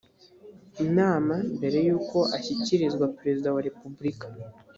inama mbere y uko ashyikirizwa perezida wa repubulika